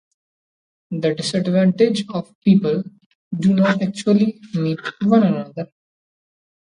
The disadvantage is people do not actually meet one another.